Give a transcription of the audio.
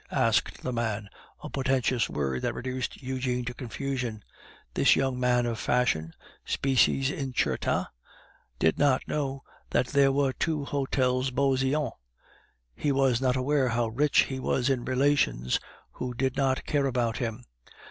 asked the man, a portentous word that reduced Eugene to confusion. This young man of fashion, species incerta, did not know that there were two Hotels Beauseant; he was not aware how rich he was in relations who did not care about him.